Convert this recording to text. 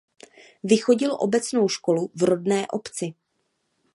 Vychodil obecnou školu v rodné obci.